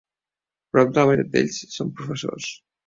Prop de la meitat d"ells són professors.